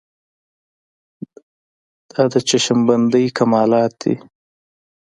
دا د چشم بندۍ کمالات دي.